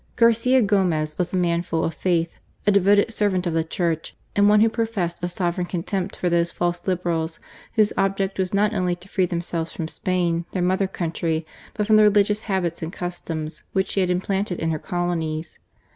Garcia Gomez was a man full of faith, a devoted servant of the Church, and one who professed a sovereign contempt for those false Liberals whose object was not only to free themselves from Spain, their mother country, but from the religious habits and customs which she had implanted in her colonies.